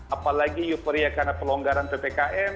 apalagi euforia karena pelonggaran ppkm